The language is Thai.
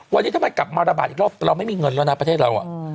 วันนี้ทำไมกลับมาระบาดอีกรอบเราไม่มีเงินแล้วนะประเทศเรา